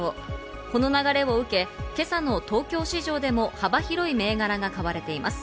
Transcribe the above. この流れを受け、今朝の東京市場でも幅広い銘柄が買われています。